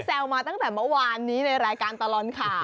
มาตั้งแต่เมื่อวานนี้ในรายการตลอดข่าว